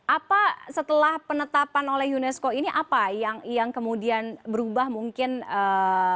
apa setelah penetapan oleh unesco ini apa yang kemudian berubah mungkin dari sisi pelastarian